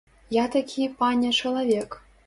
Я такі, пане, чалавек.